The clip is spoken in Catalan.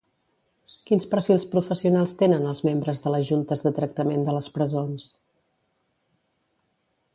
Quins perfils professionals tenen els membres de les juntes de tractament de les presons?